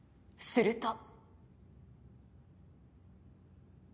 すると。